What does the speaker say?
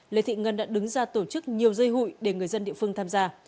lê thị ngân đã đứng ra tổ chức nhiều dây hụi để người dân địa phương tham gia